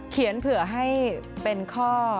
เผื่อให้เป็นข้อ